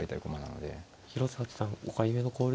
広瀬八段５回目の考慮時間に。